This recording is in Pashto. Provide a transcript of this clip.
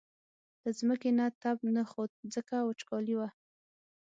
له ځمکې نه تپ نه خوت ځکه وچکالي وه.